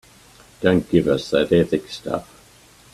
Don't give us that ethics stuff.